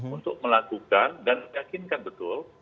untuk melakukan dan meyakinkan betul